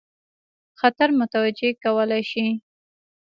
خطر متوجه کولای شي.